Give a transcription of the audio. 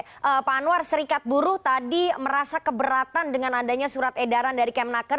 oke pak anwar serikat buruh tadi merasa keberatan dengan adanya surat edaran dari kemnaker